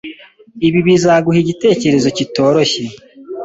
Ibi bizaguha igitekerezo kitoroshye.